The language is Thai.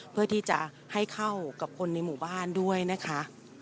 เพื่อที่จะให้เข้ากับคนในหมู่บ้านด้วยนะคะ